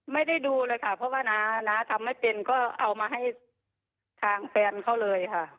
ไม่ได้ดูเลยค่ะเพราะว่าน้าน้าทำไม่เป็นก็เอามาให้ทางแฟนเขาเลยค่ะ